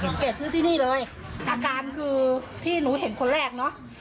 เกรดซื้อที่นี่เลยอาการคือที่หนูเห็นคนแรกเนอะ